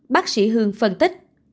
bác sĩ hương phân tích